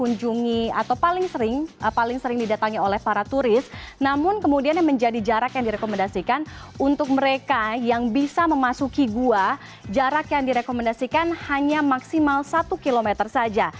mengunjungi atau paling sering paling sering didatangi oleh para turis namun kemudian yang menjadi jarak yang direkomendasikan untuk mereka yang bisa memasuki gua jarak yang direkomendasikan hanya maksimal satu km saja